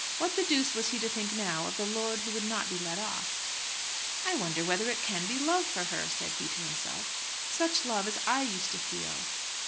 What the deuce was he to think now of the lord who would not be let off? "I wonder whether it can be love for her," said he to himself; "such love as I used to feel."